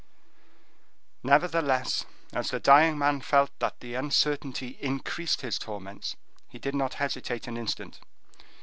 Nevertheless, as the dying man felt that the uncertainty increased his torments, he did not hesitate an instant.